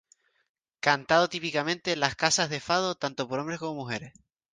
Cantado típicamente en las "casas de fado", tanto por hombres como por mujeres.